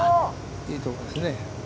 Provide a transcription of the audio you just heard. いいとこですね。